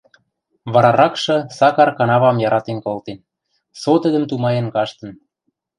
Вараракшы Сакар канавам яратен колтен, со тӹдӹм тумаен каштын.